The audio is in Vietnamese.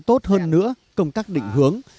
tốt hơn nữa công tác định hướng